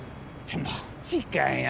マジかよ！